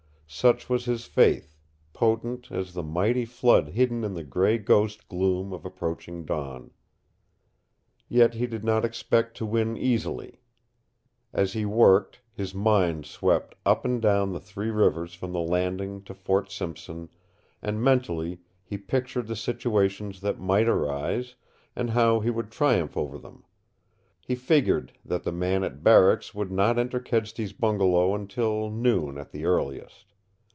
Such was his faith, potent as the mighty flood hidden in the gray ghost gloom of approaching dawn. Yet he did not expect to win easily. As he worked, his mind swept up and down the Three Rivers from the Landing to Fort Simpson, and mentally he pictured the situations that might arise, and how he would triumph over them. He figured that the men at Barracks would not enter Kedsty's bungalow until noon at the earliest.